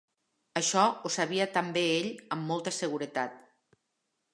Això ho sabia també ell amb molta seguretat.